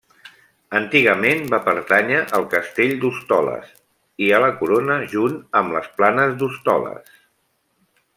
Antigament va pertànyer al castell d'Hostoles i a la corona junt amb les Planes d'Hostoles.